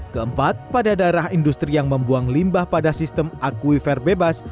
keempat pada daerah industri yang membuang limbah pada sistem akuifer bebas